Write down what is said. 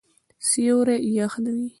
سیوری یخ وی